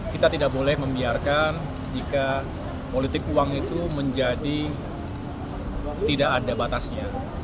kita tidak boleh membiarkan jika politik uang itu menjadi tidak ada batasnya